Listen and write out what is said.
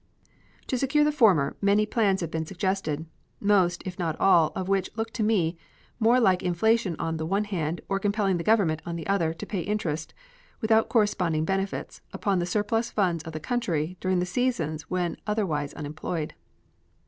To secure the former many plans have been suggested, most, if not all, of which look to me more like inflation on the one hand, or compelling the Government, on the other, to pay interest, without corresponding benefits, upon the surplus funds of the country during the seasons when otherwise unemployed.